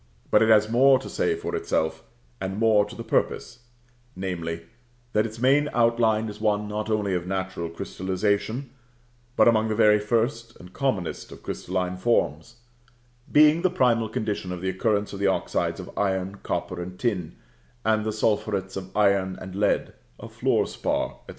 But it has more to say for itself, and more to the purpose; namely, that its main outline is one not only of natural crystallisation, but among the very first and commonest of crystalline forms, being the primal condition of the occurrence of the oxides of iron, copper, and tin, of the sulphurets of iron and lead, of fluor spar, &c.